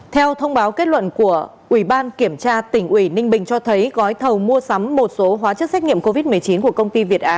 theo thông báo kết luận của ubktnb cho thấy gói thầu mua sắm một số hóa chất xét nghiệm covid một mươi chín của công ty việt á